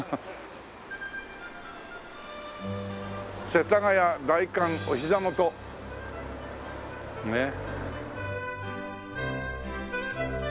「世田谷代官お膝元」ねっ。